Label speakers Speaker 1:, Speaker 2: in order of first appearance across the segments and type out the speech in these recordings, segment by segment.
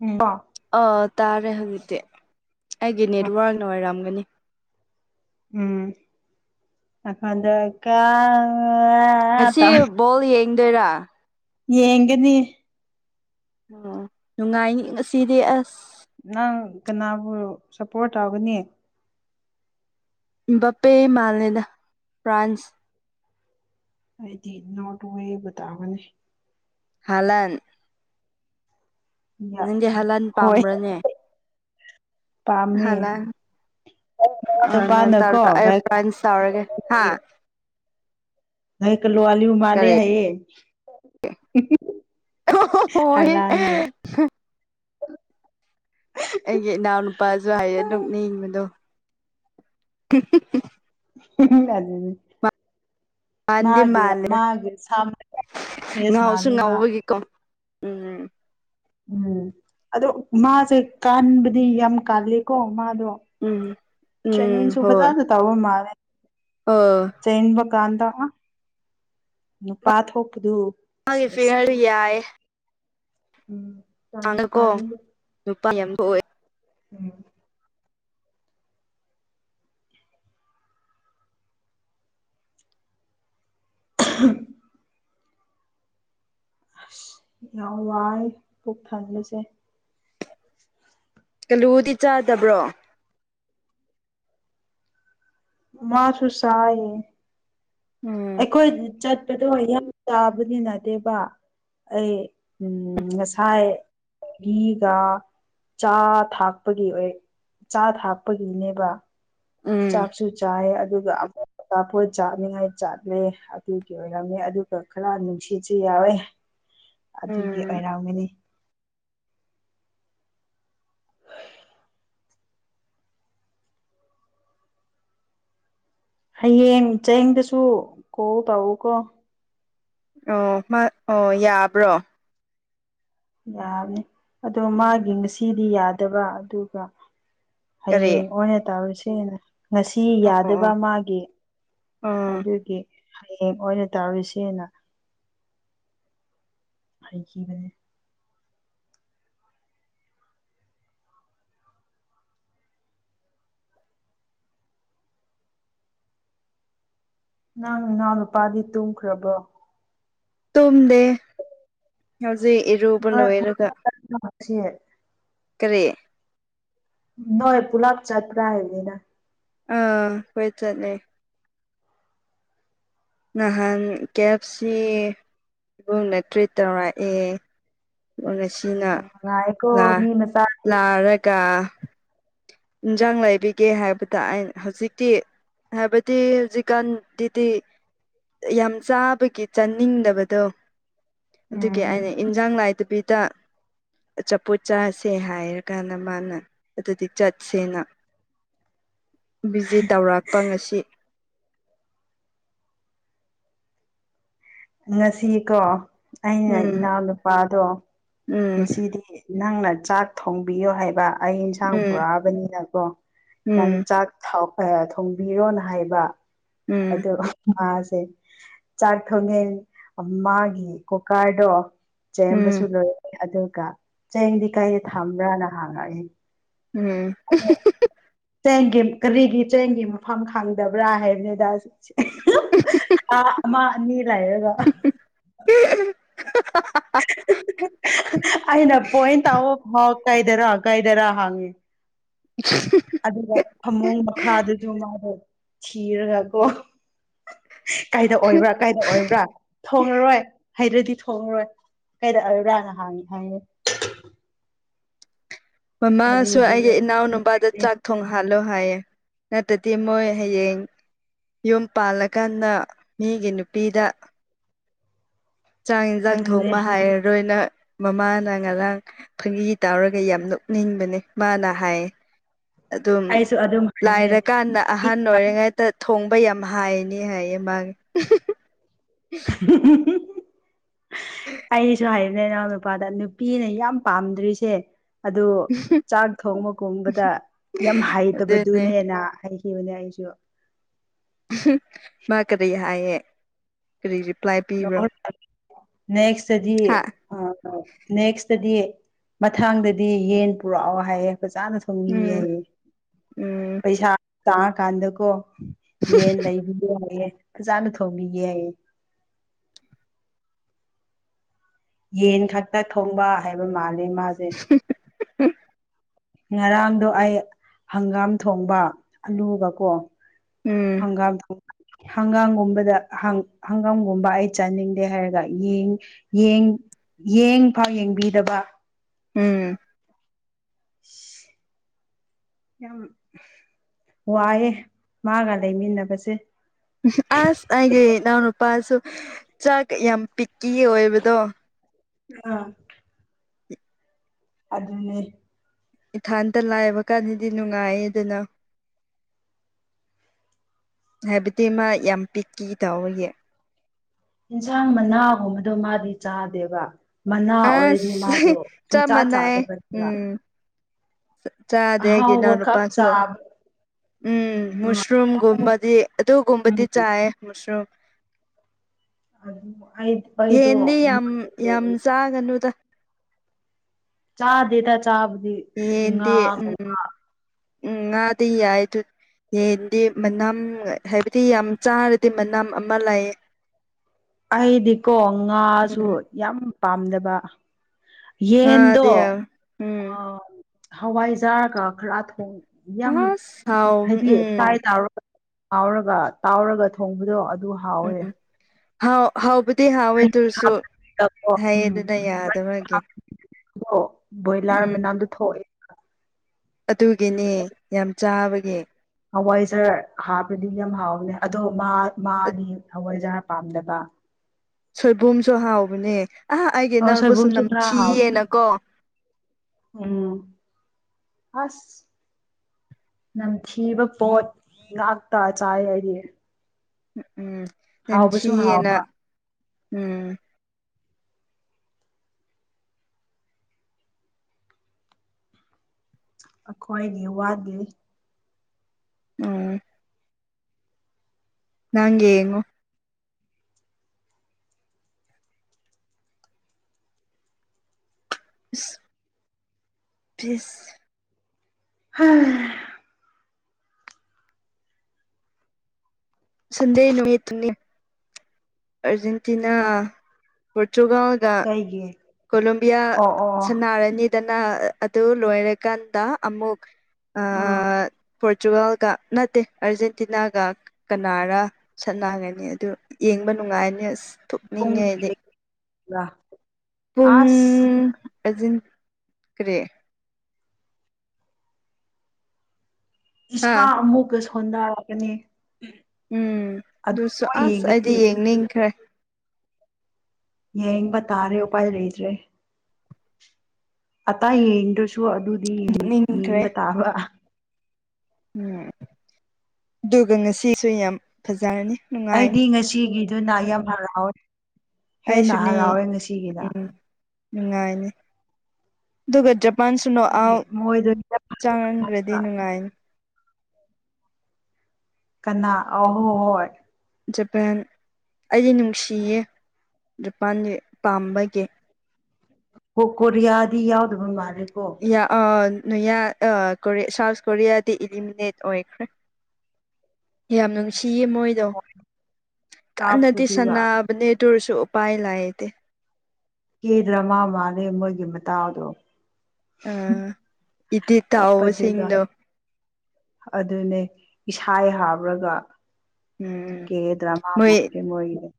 Speaker 1: ꯑꯝ [unintelligible]
Speaker 2: ꯑꯣ ꯇꯥꯔꯦ ꯍꯧꯖꯤꯛꯇꯤ ꯑꯩꯒꯤ ꯅꯦꯠꯋꯥꯔꯛꯅ ꯑꯣꯏꯔꯝꯒꯅꯤ
Speaker 1: ꯎꯝ ꯑꯈꯗ ꯀ [unintelligible]
Speaker 2: ꯉꯁꯤ ꯕꯣꯜ ꯌꯦꯡꯗꯣꯏꯔꯥ
Speaker 1: ꯌꯦꯡꯒꯅꯤ
Speaker 2: ꯑꯣ ꯅꯨꯡꯉꯥꯏꯅꯤ ꯉꯁꯤꯗꯤ ꯑꯁ
Speaker 1: ꯅꯪ ꯀꯅꯥꯕꯨ ꯁꯞꯄꯣꯔꯠ ꯇꯧꯒꯅꯤ
Speaker 2: ꯕꯞꯄꯦ ꯃꯥꯜꯂꯦꯗ ꯐ꯭ꯔꯥꯟꯁ
Speaker 1: ꯑꯩꯗꯤ ꯅꯣꯔꯋꯦꯕꯨ ꯇꯧꯕꯅꯦ
Speaker 2: ꯍꯥꯔꯂꯟ ꯅꯪꯗꯤ ꯍꯥꯔꯂꯟ
Speaker 1: ꯍꯣꯏ
Speaker 2: ꯄꯥꯝꯕ꯭ꯔꯅꯦ
Speaker 1: ꯄꯥꯝꯃꯦ
Speaker 2: ꯍꯥꯔꯂꯟ ꯅꯪ ꯑꯗꯣ
Speaker 1: ꯅꯨꯄꯥꯅꯀꯣ
Speaker 2: ꯇꯧꯔꯣ ꯑꯩ ꯐ꯭ꯔꯥꯟ ꯇꯧꯔꯒꯦ
Speaker 1: ꯅꯣꯛꯒꯅꯣ ꯑꯂꯨ ꯃꯥꯂꯦ
Speaker 2: ꯀꯔꯤ
Speaker 1: ꯍꯥꯏꯌꯦ
Speaker 2: ꯍꯣꯏ
Speaker 1: ꯍꯥꯔꯂꯟ ꯕꯨ
Speaker 2: ꯑꯩꯒꯤ ꯏꯅꯥꯎꯅꯨꯄꯥꯁꯨ ꯍꯥꯏꯌꯦ ꯑꯗꯨꯝ ꯅꯤꯡꯕꯗꯣ
Speaker 1: ꯑꯗꯨꯅꯤ
Speaker 2: ꯃꯥꯟꯗꯤ
Speaker 1: ꯃꯥꯒꯤ
Speaker 2: ꯃꯥꯜꯂꯦꯗ
Speaker 1: ꯃꯥꯒꯤ
Speaker 2: ꯉꯥꯎꯁꯨ
Speaker 1: [unintelligible]
Speaker 2: ꯉꯥꯎꯕꯒꯤꯀꯣ ꯎꯝ
Speaker 1: ꯎꯝ ꯑꯗꯣ ꯃꯥꯁꯦ ꯀꯥꯟꯕꯗꯤ ꯌꯥꯝ ꯀꯥꯜꯂꯤꯀꯣ ꯃꯥꯗꯣ
Speaker 2: ꯎꯝ ꯎꯝ
Speaker 1: ꯇ꯭ꯔꯦꯅꯤꯡꯁꯨ ꯐꯖꯥꯅ ꯇꯧꯕ ꯃꯥꯂꯦ
Speaker 2: ꯑꯣ
Speaker 1: ꯆꯦꯟꯕ ꯀꯥꯟꯗ ꯅꯨꯄꯥ ꯊꯣꯛꯄꯗꯨ
Speaker 2: ꯃꯥꯒꯤ
Speaker 1: ꯁꯦꯁ
Speaker 2: ꯐꯤꯒꯥꯔꯁꯨ ꯌꯥꯏꯌꯦ
Speaker 1: ꯎꯝ ꯇꯟꯁꯨ
Speaker 2: ꯇꯥꯡꯉꯀꯣ
Speaker 1: ꯇꯜꯂꯤ
Speaker 2: ꯅꯨꯄꯥ [unintelligible]
Speaker 1: ꯎꯝ ꯎ [unintelligible] ꯑꯁ ꯌꯥꯝ ꯋꯥꯏ ꯄꯨꯛ ꯊꯥꯟꯕꯁꯦ
Speaker 2: ꯀꯂꯨꯗꯤ ꯆꯥꯗꯕ꯭ꯔꯣ
Speaker 1: ꯃꯥꯁꯨ ꯆꯥꯢꯌꯦ
Speaker 2: ꯎꯝ
Speaker 1: ꯑꯩꯈꯣꯏ ꯆꯠꯄꯗꯣ ꯌꯥꯝ ꯆꯥꯕꯅꯤ ꯅꯠꯇꯦꯕ ꯑꯝ ꯑꯩ ꯉꯁꯥꯏ ꯃꯤꯒ ꯆꯥ ꯊꯥꯛꯄꯒꯤ ꯑꯣꯏ ꯆꯥ ꯊꯥꯛꯄꯒꯤꯅꯦꯕ
Speaker 2: ꯎꯝ
Speaker 1: ꯆꯥꯛꯁꯨ ꯆꯥꯢꯌꯦ ꯑꯗꯨꯒ ꯑꯃꯨꯛ ꯑꯆꯥꯥꯄꯣꯠ ꯆꯥꯅꯤꯡꯉꯥꯏ ꯆꯥꯠꯂꯦ ꯑꯗꯨꯒꯤ ꯑꯣꯏꯔꯝꯃꯦ ꯑꯗꯨꯒ ꯈꯔ ꯅꯨꯡꯁꯤꯠꯁꯨ ꯌꯥꯎꯋꯦ ꯑꯗꯨꯒꯤ
Speaker 2: ꯎꯝ
Speaker 1: ꯑꯣꯏꯔꯝꯃꯅꯤ ꯍꯌꯦꯡ ꯆꯦꯡꯗꯁꯨ ꯀꯣꯜ ꯇꯥꯛꯎꯣ ꯀꯣ
Speaker 2: ꯑꯣ ꯑꯣ ꯑꯥ ꯌꯥꯕ꯭ꯔꯣ
Speaker 1: ꯌꯥꯕꯅꯤ ꯑꯗꯣ
Speaker 2: ꯎꯝ
Speaker 1: ꯃꯥꯒꯤ ꯉꯁꯤꯗꯤ ꯌꯥꯗꯕ ꯑꯗꯨꯒ
Speaker 2: ꯀꯔꯤ
Speaker 1: ꯍꯌꯦꯡ ꯑꯣꯏꯅ ꯇꯧꯔꯁꯦꯅ ꯉꯁꯤ
Speaker 2: ꯑꯣ ꯑꯣ
Speaker 1: ꯌꯥꯗꯕ ꯃꯥꯒꯤ
Speaker 2: ꯑꯣ
Speaker 1: ꯑꯗꯨꯒꯤ ꯍꯌꯦꯡ ꯑꯣꯏꯅ ꯇꯧꯔꯤꯁꯦꯅ ꯍꯩꯈꯤꯕꯅꯦ ꯅꯪ ꯅꯅꯥꯎꯅꯨꯄꯥꯗꯤ ꯇꯨꯝꯈ꯭ꯔꯕꯣ
Speaker 2: ꯇꯨꯝꯗꯦ ꯍꯧꯖꯤꯛ ꯏꯔꯨꯕ
Speaker 1: ꯅꯣꯏ
Speaker 2: ꯂꯣꯏꯔꯒ
Speaker 1: ꯁꯤ
Speaker 2: ꯀꯔꯤ
Speaker 1: ꯅꯣꯏ ꯄꯨꯂꯞ ꯆꯠꯄ꯭ꯔꯥ ꯍꯥꯏꯕꯅꯤꯅ
Speaker 2: ꯑꯥ ꯍꯣꯏ ꯆꯠꯂꯦ ꯅꯍꯥꯟ ꯀꯦꯞꯁꯤ ꯏꯕꯨꯡꯗ ꯇ꯭ꯔꯤꯠ ꯇꯧꯔꯛꯑꯦ
Speaker 1: ꯌꯥꯝ ꯅꯨꯡꯉꯥꯏꯀꯣ
Speaker 2: ꯂꯥꯛ
Speaker 1: ꯃꯤ ꯃꯆꯥꯗꯤ
Speaker 2: ꯂꯥꯔꯒ ꯏꯟꯁꯥꯡ ꯂꯩꯕꯤꯒꯦ ꯍꯥꯏꯕꯗ ꯑꯩ ꯍꯧꯖꯤꯛꯇꯤ ꯍꯥꯏꯕꯗꯤ ꯍꯧꯖꯤꯛꯀꯥꯟ ꯗꯤ ꯌꯥꯝ ꯆꯥꯕꯒꯤ ꯆꯥꯅꯤꯡꯗꯕꯗꯣ ꯑꯗꯨꯒꯤ
Speaker 1: ꯎꯝ
Speaker 2: ꯑꯩꯅ ꯏꯟꯖꯥꯡ ꯂꯥꯏꯗꯕꯤ ꯗ ꯑꯆꯥꯄꯣꯠ ꯆꯥꯁꯦ ꯍꯥꯏꯔꯀꯥꯟꯗ ꯃꯥꯅ ꯑꯗꯨꯗꯤ ꯆꯠꯁꯦꯅ ꯚꯤꯖꯤꯠ ꯇꯧꯔꯛꯄ ꯉꯁꯤ
Speaker 1: ꯉꯁꯤꯀꯣ ꯑꯩꯅ
Speaker 2: ꯎꯝ
Speaker 1: ꯏꯅꯥꯎꯅꯨꯄꯥꯗꯣ
Speaker 2: ꯎꯝ
Speaker 1: ꯉꯁꯤꯗꯤ ꯅꯪꯅ ꯆꯥꯛ ꯊꯣꯡꯕꯤꯌꯣ ꯍꯥꯏꯕ ꯑꯩ ꯌꯦꯟꯁꯥꯡ
Speaker 2: ꯎꯝ
Speaker 1: ꯄꯨꯔꯛꯑꯕꯅꯤꯅꯀꯣ ꯅꯪ
Speaker 2: ꯎꯝ
Speaker 1: ꯆꯥꯛ ꯊꯣꯡꯕꯤꯔꯣꯅ ꯍꯥꯏꯕ
Speaker 2: ꯎꯝ
Speaker 1: ꯑꯗꯨ ꯃꯥꯁꯦ ꯆꯥꯛ ꯊꯣꯡꯉꯦ ꯃꯥꯒꯤ ꯀꯣꯀꯥꯔꯗꯣ
Speaker 2: ꯎꯝ
Speaker 1: ꯆꯦꯟꯕꯁꯨ ꯂꯣꯏꯔꯦ ꯑꯗꯨꯒ ꯆꯦꯡꯗꯤ ꯀꯥꯏꯗ ꯊꯝꯕ꯭ꯔꯥꯅ ꯍꯥꯡꯉꯛꯏ
Speaker 2: ꯎꯝ
Speaker 1: ꯆꯦꯡꯒꯤ ꯀꯔꯤꯒꯤ ꯆꯦꯡꯒꯤ ꯃꯐꯝ ꯈꯪꯗꯕ꯭ꯔꯥ ꯍꯥꯏꯕꯅꯤꯗ ꯊꯥ ꯑꯃ ꯑꯅꯤ ꯂꯩꯔꯒ
Speaker 2: ꯎ [unintelligible]
Speaker 1: ꯑꯩꯅ ꯄꯣꯏꯟ ꯇꯥꯛꯑꯣ ꯍꯥꯎ ꯀꯥꯏꯗꯔ ꯀꯥꯏꯗꯔ ꯍꯥꯡꯉꯤ
Speaker 2: [unintelligible]
Speaker 1: ꯑꯗꯨꯒ ꯐꯃꯨꯡ ꯃꯈꯥꯗꯁꯨ ꯃꯥꯗꯣ ꯊꯤꯔꯒ ꯀꯣ ꯀꯥꯏꯗ ꯑꯣꯏꯕ꯭ꯔꯥ ꯀꯥꯏꯗ ꯑꯣꯏꯕ꯭ꯔꯥ ꯊꯣꯉꯔꯣꯏ ꯍꯩꯗ꯭ꯔꯗꯤ ꯊꯣꯉꯔꯣꯏ ꯀꯩꯔꯛꯑ [unintelligible] ꯔꯥꯡꯅ ꯍꯥꯡꯉꯤ ꯍꯥꯏꯉꯦ
Speaker 2: ꯃꯃꯥꯁꯨ
Speaker 1: ꯀꯔꯤꯒꯤꯅꯣ
Speaker 2: ꯑꯩꯒꯤ ꯏꯅꯥꯎ ꯅꯨꯨꯄꯥꯗꯣ ꯆꯥꯛ ꯊꯣꯡ ꯍꯥꯜꯂꯣ ꯍꯥꯏꯌꯦ ꯅꯠꯇ꯭ꯔꯗꯤ ꯃꯣꯏ ꯍꯌꯦꯡ ꯌꯨꯝ ꯄꯥꯜꯂꯀꯥꯟꯗ ꯃꯤꯒꯤ ꯅꯨꯄꯤꯗ ꯆꯥꯡ ꯌꯦꯟꯁꯥꯡ
Speaker 1: ꯑꯗꯨꯅꯦ
Speaker 2: ꯊꯣꯡꯕ ꯍꯩꯔꯔꯣꯏꯅ ꯃꯃꯥꯅ ꯉꯔꯥꯡ ꯐꯪꯒꯤ ꯇꯥꯎꯔꯒ ꯌꯥꯝ ꯅꯣꯛꯅꯤꯡꯕꯅꯦ ꯃꯥꯅ ꯍꯥꯏꯌꯦ ꯑꯗꯨꯝ
Speaker 1: ꯑꯩꯁꯨ ꯑꯗꯨꯝ ꯍꯥꯏꯕꯅꯦ
Speaker 2: ꯂꯥꯏꯔꯀꯥꯟꯗ ꯑꯍꯟ ꯑꯣꯏꯔꯦꯉꯩ ꯊꯣꯡꯕ ꯌꯥꯝ ꯍꯥꯏꯅꯤ ꯍꯥꯏꯌꯦ ꯃꯅꯥ
Speaker 1: ꯑꯩꯁꯨ ꯍꯥꯏꯕꯅꯦ ꯢꯅꯥꯎꯅꯨꯄꯥꯗ ꯅꯨꯄꯤꯅ ꯌꯥꯝ ꯄꯥꯝꯗ꯭ꯔꯤꯁꯦ ꯑꯗꯨ ꯆꯥꯛ ꯊꯣꯡꯕꯒꯨꯝꯕꯗ ꯌꯥꯝ
Speaker 2: ꯑꯗꯨꯅꯦ
Speaker 1: ꯍꯩꯇꯕꯗꯨꯅꯦꯅ ꯍꯥꯏ ꯑꯗꯨꯅꯦ ꯑꯩꯁꯨ
Speaker 2: ꯃꯥ ꯀꯔꯤ ꯍꯥꯏꯌꯦ ꯀꯔꯤ ꯔꯤꯄ꯭ꯂꯥꯏ ꯄꯤꯕ꯭ꯔꯣ
Speaker 1: ꯅꯦꯛꯁꯑꯗꯤ
Speaker 2: ꯍꯥ
Speaker 1: ꯑꯝ ꯑꯣ ꯅꯦꯛꯁꯇꯗꯤ ꯃꯊꯪꯗꯗꯤ ꯌꯦꯟ ꯄꯨꯔꯛꯑꯣ ꯍꯥꯏꯌꯦ ꯆꯥꯅ ꯊꯣꯡꯅꯤꯡꯌꯦ
Speaker 2: ꯎꯝ
Speaker 1: ꯍꯥꯏꯌꯦ
Speaker 2: ꯎꯝ
Speaker 1: ꯄꯩꯁꯥ ꯇꯥꯔꯀꯥꯟꯗꯀꯣ ꯌꯦꯟ ꯂꯩꯕꯤꯒꯦꯌꯦ ꯐꯖꯥꯅ ꯊꯣꯡꯕꯤꯒꯦꯌꯦ ꯌꯦꯟ ꯈꯛꯇ ꯊꯣꯡꯕ ꯍꯥꯏꯕ ꯃꯥꯜꯂꯦ ꯃꯥꯁꯦ
Speaker 2: [unintelligible]
Speaker 1: ꯉꯔꯥꯡꯗꯣ ꯑꯩ ꯍꯪꯒꯥꯝ ꯊꯣꯡꯕ ꯑꯂꯨꯒꯀꯣ
Speaker 2: ꯎꯝ
Speaker 1: ꯍꯪꯒꯥꯝ ꯊꯣꯡ ꯍꯪꯒꯥꯝꯒꯨꯝꯕꯗ ꯍꯪꯒꯥꯝꯒꯨꯝꯕ ꯑꯩ ꯆꯥꯅꯤꯡꯗꯦ ꯍꯥꯏꯔꯒ ꯌꯦꯡ ꯌꯦꯡ ꯌꯦꯡ ꯐꯥꯎ ꯌꯦꯡꯕꯤꯗꯕ
Speaker 2: ꯎꯝ
Speaker 1: ꯎ [inaudible] ꯌꯥꯝ ꯋꯥꯏꯑꯦ ꯃꯥꯒ ꯂꯩꯃꯤꯟꯅꯕꯁꯦ
Speaker 2: ꯑꯁ ꯑꯩꯒꯤ ꯏꯅꯥꯎꯅꯨꯄꯥꯁꯨ ꯆꯥꯛ ꯌꯥꯝ ꯄꯤꯛꯀꯤ ꯑꯣꯏꯕꯗꯣ
Speaker 1: ꯑꯥ ꯑꯗꯨꯅꯦ
Speaker 2: ꯏꯊꯥꯟꯇ ꯂꯥꯏꯕ ꯀꯥꯟꯗꯗꯤ ꯅꯨꯡꯉꯥꯏ ꯑꯗꯨꯅ ꯍꯥꯏꯕꯗꯤ ꯃꯥ ꯌꯥꯝ ꯄꯤꯛꯈꯤ ꯇꯧꯕꯒꯤ
Speaker 1: ꯌꯦꯟꯁꯥꯡ ꯃꯅꯥꯒꯨꯝꯕꯗꯣ ꯃꯥꯗꯤ ꯆꯥꯗꯦꯕ ꯃꯅꯥ ꯑꯣꯏꯔꯗꯤ
Speaker 2: ꯑꯦꯁ
Speaker 1: ꯃꯥꯗꯣ
Speaker 2: ꯆꯥꯞ
Speaker 1: ꯁꯨꯡꯆꯥ
Speaker 2: ꯃꯥꯟꯅꯩ
Speaker 1: ꯆꯥꯗꯕꯅꯦꯕ
Speaker 2: ꯑꯝ ꯆꯥꯗꯦ ꯒꯩꯒꯤ
Speaker 1: ꯑꯍꯥꯎꯕ
Speaker 2: ꯢꯅꯥꯎ
Speaker 1: ꯈꯛ
Speaker 2: ꯅꯨꯄꯥꯁꯨ
Speaker 1: ꯆꯥꯕ
Speaker 2: ꯎꯝ ꯃꯨꯁꯔꯨꯝꯒꯨꯝꯕꯗꯤ ꯑꯗꯨꯒꯨꯝꯕꯗꯤ
Speaker 1: ꯑꯗꯨ
Speaker 2: ꯆꯥꯏ ꯃꯨꯁꯔꯨꯝ
Speaker 1: ꯑ ꯑꯗ [unintelligible]
Speaker 2: ꯌꯦꯗꯤ ꯌꯥꯝ ꯌꯥꯝ ꯆꯥꯒꯅꯨꯗ
Speaker 1: ꯆꯥꯗꯦꯗ ꯆꯥꯕꯗꯤ
Speaker 2: ꯌꯦꯟꯗꯤ ꯎꯝ
Speaker 1: ꯉꯥꯒꯨꯝꯕ
Speaker 2: ꯎꯝ ꯉꯥꯗꯤ ꯌꯥꯏ ꯑꯗꯨ ꯌꯦꯟꯗꯤ ꯃꯅꯝ ꯍꯥꯏꯕꯗꯤ ꯌꯥꯝ ꯆꯥꯔꯗꯤ ꯃꯅꯝ ꯑꯃ ꯂꯩ
Speaker 1: ꯑꯩꯗꯤꯀꯣ
Speaker 2: ꯎꯝ
Speaker 1: ꯉꯥꯁꯨ ꯌꯥꯝ ꯄꯥꯝꯗꯕ ꯌꯦꯟꯗꯣ
Speaker 2: ꯉꯥꯗꯤ ꯎꯝ
Speaker 1: ꯍꯋꯥꯏꯖꯥꯔꯒ ꯈꯔ ꯊꯣꯡꯉ ꯌꯥꯝ
Speaker 2: ꯑꯁ ꯍꯥꯎ
Speaker 1: ꯍꯥꯏꯗꯤ ꯐ꯭ꯔꯥꯏ
Speaker 2: ꯎꯝ
Speaker 1: ꯇꯥꯔ ꯇꯥꯎꯔꯒ ꯇꯥꯎꯔꯒ ꯊꯣꯡꯕꯗꯣ ꯑꯗꯨ ꯍꯥꯎꯋꯦ
Speaker 2: ꯎꯝ ꯍꯥꯎ ꯍꯥꯎꯕꯗꯤ ꯍꯥꯎꯋꯦ ꯑꯗꯨ ꯑꯣꯢꯔꯁꯨ
Speaker 1: ꯍꯥꯞꯄꯀꯣ
Speaker 2: ꯍꯥꯏꯌꯦ ꯑꯗꯨꯅ ꯌꯥꯗꯕꯒꯤ
Speaker 1: ꯕꯣꯏꯂꯥꯔ
Speaker 2: ꯎꯝ
Speaker 1: ꯃꯅꯥꯝꯗꯣ ꯊꯣꯛꯑꯦ
Speaker 2: ꯑꯗꯨꯒꯤꯅꯦ ꯌꯥꯝ ꯆꯥꯕꯒꯤ
Speaker 1: ꯍꯋꯥꯏꯖꯥꯔ ꯍꯥꯞꯕꯗꯤ ꯌꯥꯝ ꯍꯥꯎꯕꯅꯦ ꯑꯗꯣ ꯃꯥ ꯍꯥꯗꯤ ꯍꯋꯥꯏꯖꯥꯔ ꯄꯥꯝꯗꯕ
Speaker 2: ꯁꯣꯏꯕꯨꯝꯁꯨ ꯍꯥꯎꯕꯅꯦ ꯑꯍꯥ ꯑꯩꯒꯤ
Speaker 1: ꯑꯣ
Speaker 2: ꯏꯅꯥꯎꯄꯨꯁꯨ
Speaker 1: ꯁꯣꯏꯕꯨꯝꯁꯨ ꯈꯔ ꯍꯥꯎ
Speaker 2: ꯅꯝꯊꯤꯌꯦꯅꯀꯣ
Speaker 1: ꯎꯝ ꯑꯁ ꯅꯝꯊꯤꯕ ꯄꯣꯠ ꯉꯥꯛꯇ ꯆꯥꯏ ꯑꯩꯗꯤ
Speaker 2: ꯎꯝ ꯎꯝ
Speaker 1: ꯍꯥꯎꯕꯁꯨ
Speaker 2: ꯏꯥꯝꯊꯤꯑꯦꯅ
Speaker 1: ꯍꯥꯎꯕ
Speaker 2: ꯎꯝ
Speaker 1: ꯑꯩꯈꯣꯏꯒꯤ ꯋꯥꯒꯤ
Speaker 2: ꯎꯝ ꯅꯪ ꯌꯦꯡꯉꯣ ꯎ [inaudible] ꯤ [unintelligible] ꯁ
Speaker 1: ꯍꯣꯏ [unintelligible]
Speaker 2: ꯁꯥꯟꯗꯦ ꯏꯨꯃꯤꯠ ꯇꯨꯅꯤ ꯑꯔꯖꯦꯟꯇꯤꯅꯥ ꯄꯣꯔꯇꯨꯒꯥꯜ ꯑꯥ
Speaker 1: ꯀꯩꯒꯤ
Speaker 2: ꯀꯣꯂꯣꯕꯤꯌꯥ
Speaker 1: ꯑꯣ ꯑꯣ ꯑꯣ
Speaker 2: ꯁꯥꯟꯅꯔꯅꯤ ꯗꯅ ꯑꯗꯨ ꯂꯣꯏꯔꯀꯥꯟꯗ ꯑꯃꯨꯛ
Speaker 1: ꯎꯝ
Speaker 2: ꯑꯥ ꯄꯣꯔꯇꯨꯒꯥꯜꯒ ꯅꯠꯇꯦ ꯑꯔꯖꯦꯟꯇꯤꯅꯥꯒ ꯀꯅꯥꯔ ꯁꯠꯅꯥꯒꯅꯤ ꯑꯗꯨ ꯌꯦꯡꯕ ꯅꯨꯡꯉꯥꯏꯅꯤ ꯑꯁ
Speaker 1: ꯄꯨꯡ
Speaker 2: ꯊꯣꯛꯅꯤꯡꯉꯦ ꯑꯩꯗꯤ ꯄꯨꯡ
Speaker 1: ꯑꯁ
Speaker 2: ꯑꯗꯨꯅꯤ ꯀꯔꯤ
Speaker 1: ꯏꯁꯥ
Speaker 2: ꯑꯥ
Speaker 1: ꯑꯃꯨꯛꯀ ꯁꯣꯟꯗꯥꯔꯛꯀꯅꯤ
Speaker 2: ꯎꯝ ꯑꯗꯨꯁꯨ ꯑꯁ ꯑꯩꯗꯤ ꯌꯦꯡꯅꯤꯡꯈ꯭ꯔꯦ
Speaker 1: ꯌꯦꯡꯕ ꯇꯥꯔꯦ ꯎꯄꯥꯏ ꯂꯩꯇ꯭ꯔꯦ ꯑꯇꯩ ꯌꯦꯡꯗ꯭ꯔꯁꯨ ꯑꯗꯨꯗꯤ
Speaker 2: ꯌꯦꯡꯅꯤꯡꯈ꯭ꯔꯦ
Speaker 1: ꯌꯦꯡꯕ ꯇꯥꯕ
Speaker 2: ꯎꯝ ꯑꯗꯨꯒ ꯉꯁꯤꯁꯨ ꯌꯥꯝ ꯐꯖꯔꯅꯤ ꯅꯨꯡꯉꯥꯏꯅꯤ
Speaker 1: ꯑꯩꯗꯤ ꯉꯁꯤꯒꯤꯗꯨꯅ ꯌꯥꯝ ꯍꯔꯥꯎꯋꯦ ꯍꯦꯟꯅ
Speaker 2: ꯑꯩꯁꯨꯅꯦ
Speaker 1: ꯍꯔꯥꯎꯋꯦ ꯉꯁꯤꯒꯤꯅ
Speaker 2: ꯎꯝ ꯅꯨꯡꯉꯥꯏꯅꯤ ꯑꯗꯨꯒ ꯖꯄꯥꯟꯁꯨ ꯅꯣꯛ
Speaker 1: ꯍꯥꯏꯗꯤ
Speaker 2: ꯑꯥꯠ
Speaker 1: ꯃꯣꯏꯗꯣ
Speaker 2: ꯆꯪꯍꯟꯈ꯭ꯔꯗꯤ ꯅꯨꯡꯉꯥꯏꯅꯤ
Speaker 1: ꯀꯅꯥ ꯑꯍꯣ ꯍꯣꯏ
Speaker 2: ꯖꯄꯦꯟ ꯑꯩꯗꯤ ꯅꯨꯡꯁꯤꯌꯦ ꯖꯄꯥꯟꯁꯦ ꯄꯥꯝꯕꯒꯤ
Speaker 1: ꯑꯣ ꯀꯣꯔꯤꯌꯥꯗꯤ ꯌꯥꯎꯗꯕ ꯃꯥꯜꯂꯦꯀꯣ
Speaker 2: ꯀꯣꯔꯤꯌꯥ ꯁꯥꯎꯠ ꯀꯣꯔꯤꯌꯥꯗꯤ ꯏꯂꯤꯃꯤꯅꯦꯠ ꯑꯣꯏꯈ꯭ꯔꯦ
Speaker 1: [inaudible]
Speaker 2: ꯌꯥꯝ
Speaker 1: ꯑꯁ
Speaker 2: ꯅꯨꯡꯁꯤꯌꯦ ꯃꯣꯏꯗꯣ
Speaker 1: ꯍꯣꯏ
Speaker 2: ꯀꯟꯅꯗꯤ
Speaker 1: ꯀꯥꯞꯄꯗꯨꯒ
Speaker 2: ꯁꯥꯟꯅꯕꯅꯦ ꯑꯗꯨ ꯑꯣꯢꯔꯁꯨ ꯎꯄꯥꯏ ꯂꯩꯇꯦ
Speaker 1: ꯀꯦꯗ꯭ꯔꯥꯃꯥ ꯃꯥꯜꯂꯦ ꯃꯣꯏꯒꯤ ꯃꯇꯥꯎꯗꯣ
Speaker 2: ꯑꯥ ꯑꯦꯇꯦꯛ
Speaker 1: ꯀꯞꯄꯗꯨꯒ
Speaker 2: ꯇꯧꯕꯁꯤꯡꯗꯣ
Speaker 1: ꯑꯗꯨꯅꯦ ꯏꯁꯥ ꯍꯥꯞꯔꯒ
Speaker 2: ꯎꯝ
Speaker 1: ꯀꯦꯗ꯭ꯔꯃ ꯃ [unintelligible]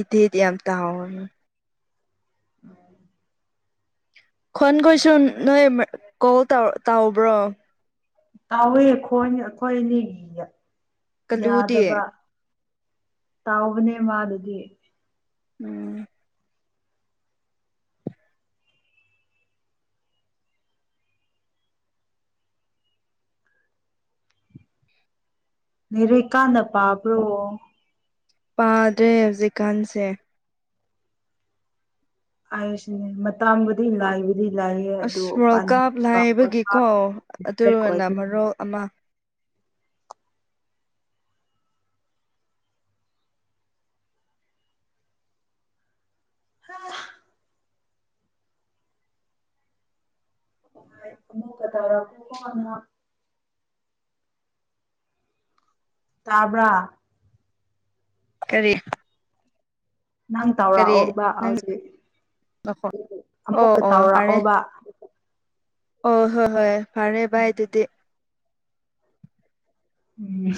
Speaker 2: ꯢꯇꯦꯗꯤ ꯌꯥꯝ ꯇꯧꯋꯦ
Speaker 1: [inaudible]
Speaker 2: ꯈꯣꯟ ꯈꯣꯏꯁꯨ ꯅꯣꯏ ꯀꯣꯜ ꯇꯥꯎ ꯇꯥꯎꯕ꯭ꯔꯣ
Speaker 1: ꯇꯥꯎꯋꯦ ꯈꯣꯟ ꯑꯩꯈꯣꯏ ꯑꯅꯤꯒꯤꯗ
Speaker 2: ꯀꯜꯂꯨꯗꯤ
Speaker 1: ꯌꯥꯗꯕ ꯇꯥꯎꯕꯅꯦ ꯃꯥꯗꯨꯗꯤ
Speaker 2: ꯎꯝ
Speaker 1: ꯂꯥꯢꯔꯤꯛ ꯀꯥꯟꯅ ꯄꯥꯕ꯭ꯔꯣ
Speaker 2: ꯄꯥꯗ꯭ꯔꯦ ꯍꯧꯖꯤꯛꯀꯥꯟꯁꯦ
Speaker 1: [unintelligible] ꯃꯇꯥꯝꯕꯨꯗꯤ ꯅꯥꯢ ꯂꯥꯏꯌꯦ ꯑꯗꯨ
Speaker 2: ꯑꯁ ꯋꯥꯔꯜ ꯀꯞ
Speaker 1: ꯄꯥꯟꯅꯤꯡ
Speaker 2: ꯂꯥꯏꯕꯒꯤꯀꯣ
Speaker 1: [unintelligible] ꯑꯣꯏ
Speaker 2: ꯑꯗꯨꯅ ꯃꯔꯣꯜ ꯑꯃ
Speaker 1: ꯍꯥ [inaudible] ꯑꯃꯨꯛꯀ ꯇꯧꯔꯛꯑꯣ [unintelligible] ꯇꯥꯕ꯭ꯔꯥ
Speaker 2: ꯀꯔꯤ
Speaker 1: ꯅꯪ
Speaker 2: ꯀꯔꯤ
Speaker 1: ꯇꯧꯔꯛꯑꯣꯕ
Speaker 2: ꯅꯪ
Speaker 1: ꯍꯧꯖꯤꯛ
Speaker 2: ꯅꯈꯣ ꯑꯣ
Speaker 1: ꯑꯃꯨꯛꯀ
Speaker 2: ꯑꯣ ꯐꯔꯦ
Speaker 1: ꯇꯥꯎꯔꯛꯑꯣꯕ
Speaker 2: ꯑꯣ ꯍꯣꯏ ꯍꯣꯏ ꯐꯔꯦ ꯚꯥꯢ ꯑꯗꯨꯗꯤ
Speaker 1: ꯎꯝ